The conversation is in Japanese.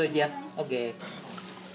ＯＫ。